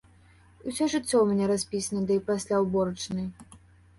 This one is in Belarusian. Усё жыццё ў мяне распісана да і пасля ўборачнай.